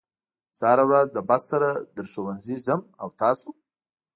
زه هره ورځ له بس سره تر ښوونځي ځم او تاسو